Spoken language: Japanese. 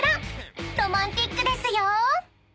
［ロマンチックですよ！］